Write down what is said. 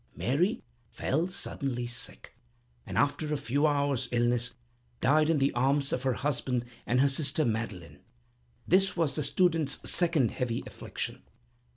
Mary fell suddenly sick, and, after a few hours' illness, died in the arms of her husband and her sister Madeleine. This was the student's second heavy affliction.